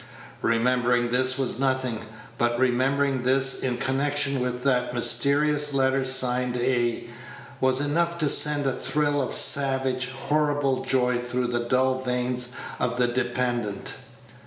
Remembering this was nothing, but remembering this in connection with that mysterious letter signed "A" was enough to send a thrill of savage, horrible joy through the dull veins of the dependent.